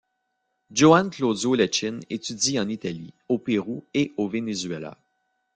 Juan Claudio Lechín étudie en Italie, au Pérou et au Venezuela.